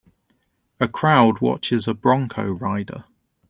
A crowd watches a bronco rider.